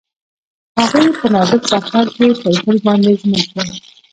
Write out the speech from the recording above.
هغوی په نازک سفر کې پر بل باندې ژمن شول.